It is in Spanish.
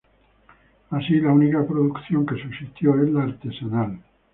Así, la única producción que subsistió es la artesanal.